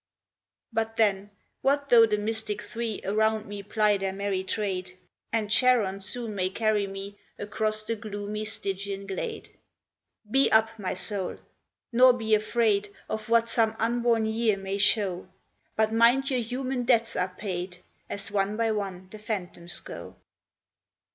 But then, what though the mystic Three Around me ply their merry trade? And Charon soon may carry me Across the gloomy Stygian glade? Be up, my soul! nor be afraid Of what some unborn year may show; But mind your human debts are paid, As one by one the phantoms go.